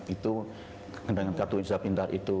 itu dengan kartu indonesia pintar itu